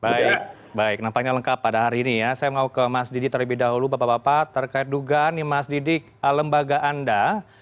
baik baik nampaknya lengkap pada hari ini ya saya mau ke mas didi terlebih dahulu bapak bapak terkait dugaan nih mas didi lembaga anda